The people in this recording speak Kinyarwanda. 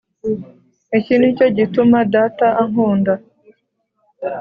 Iki ni cyo gituma Data ankunda